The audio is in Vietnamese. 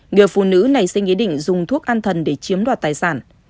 người phụ nữ này sẽ nghĩ định dùng thuốc an thần để chiếm đoạt tài sản